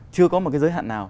chưa có một cái giới hạn nào